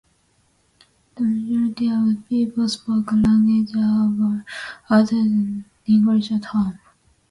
The majority of people spoke a language other than English at home.